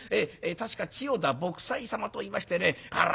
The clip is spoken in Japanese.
確か千代田卜斎様といいましてねこら